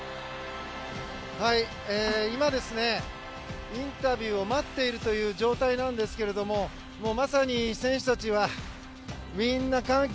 今、インタビューを待っているという状態なんですけどもまさに、選手たちはみんな歓喜。